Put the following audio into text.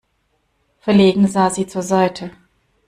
Verlegen sah sie zur Seite.